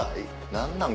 何なん？